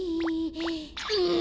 うん！